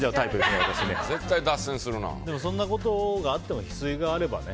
そんなことがあってもヒスイがあればね。